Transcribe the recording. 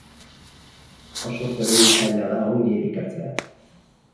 Oso zeregin zaila da ongi elikatzea.